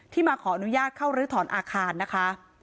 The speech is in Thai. มาขออนุญาตเข้ารื้อถอนอาคารนะคะ